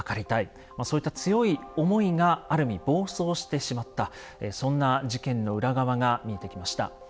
そういった強い思いがある意味暴走してしまったそんな事件の裏側が見えてきました。